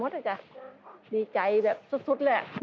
มันก็จะดีใจแบบสุดเลย